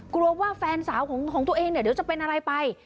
กลัวว่าแฟนสาวของตัวเองเนี่ยเดี๋ยวจะเป็นอะไรไป